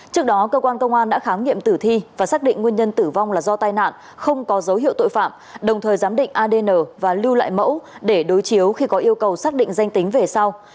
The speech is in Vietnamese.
trước đó cơ quan công an đã khám nghiệm tử thi và xác định nguyên nhân tử vong là do tai nạn không có dấu hiệu tội phạm đồng thời giám định adn và lưu lại mẫu để đối chiếu khi có yêu cầu xác định danh tính về sau